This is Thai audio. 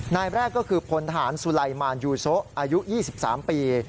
นายแรกก็คือผลฐานสุลัยมานยูโซะอายุ๒๓ปี